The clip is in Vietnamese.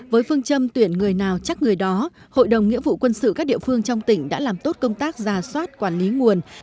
với phương châm tuyển người nào chắc người đó hội đồng nghĩa vụ quân sự các địa phương trong tỉnh đã làm tốt công tác ra soát quản lý nguồn